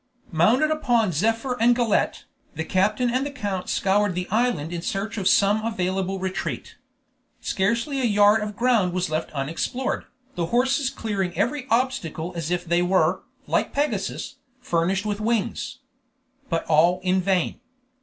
Mounted upon Zephyr and Galette, the captain and the count scoured the island in search of some available retreat. Scarcely a yard of ground was left unexplored, the horses clearing every obstacle as if they were, like Pegasus, furnished with wings. But all in vain.